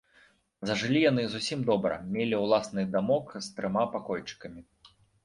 Зажылі яны зусім добра, мелі ўласны дамок з трыма пакойчыкамі.